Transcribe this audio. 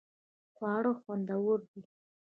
خواړه خوندور دې